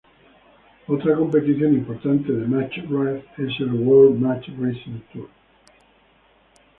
Otra competición importante de match race es el World Match Racing Tour.